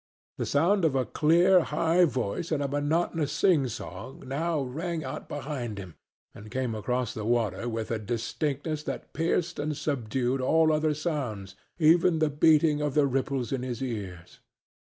The sound of a clear, high voice in a monotonous singsong now rang out behind him and came across the water with a distinctness that pierced and subdued all other sounds, even the beating of the ripples in his ears.